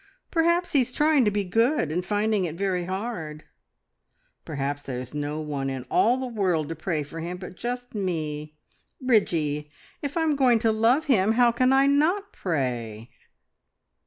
Perhaps he's trying to be good, and finding it very hard. Perhaps there's no one in all the world to pray for him but just me. Bridgie! If I'm going to love him how can I not pray?"